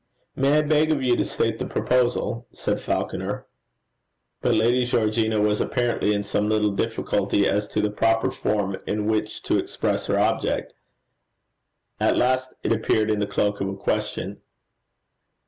'May I beg of you to state the proposal?' said Falconer. But Lady Georgina was apparently in some little difficulty as to the proper form in which to express her object. At last it appeared in the cloak of a question.